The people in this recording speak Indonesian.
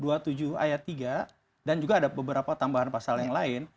dua puluh tujuh ayat tiga dan juga ada beberapa tambahan pasal yang lain